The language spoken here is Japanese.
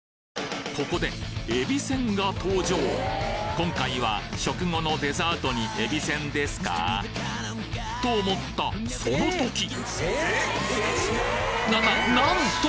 今回は食後のデザートにえびせんですか！？と思ったその時ななんと！